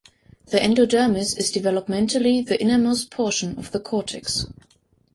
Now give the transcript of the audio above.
The endodermis is developmentally the innermost portion of the cortex.